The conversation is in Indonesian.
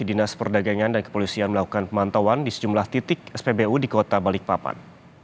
dinas perdagangan dan kepolisian melakukan pemantauan di sejumlah titik spbu di kota balikpapan